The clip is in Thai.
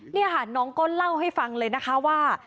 นี่ค่ะน้องก็เล่าให้ฟังเลยนะคะว่า